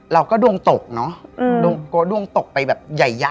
เราก็ดวงตกเนอะก็ดวงตกไปแบบใหญ่เลยอะ